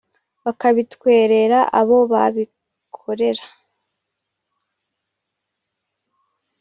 bakabitwerera abo babikorera